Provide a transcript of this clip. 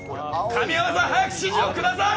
神山さん、早く指示をください。